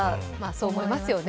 そう思いますよね。